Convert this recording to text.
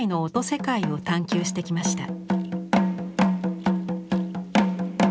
世界を探求してきました。